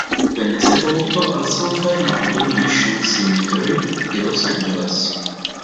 Venne sepolto al San Fernando Mission Cemetery di Los Angeles.